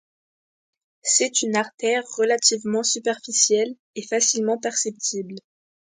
C'est une artère relativement superficielle et facilement perceptible.